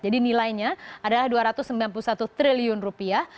jadi nilainya adalah dua ratus sembilan puluh satu triliun rupiah